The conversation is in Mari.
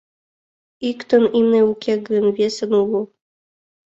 Иктын имне уке гын, весын уло.